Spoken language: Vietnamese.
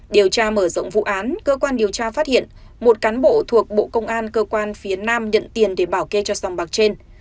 điều tra mở rộng vụ án cơ quan điều tra phát hiện một cán bộ thuộc bộ công an cơ quan phía nam nhận tiền để bảo kê cho sòng bạc trên